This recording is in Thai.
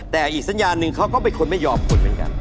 แต่อีกสัญญาณหนึ่งเขาก็เป็นคนไม่ยอมคนเหมือนกัน